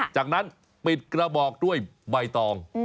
จากนั้นปิดกระบอกด้วยใบตอง